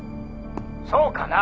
そうかな？